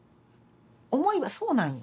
思いはそうなんよ。